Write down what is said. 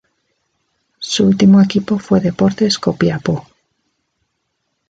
Su último equipo fue Deportes Copiapó.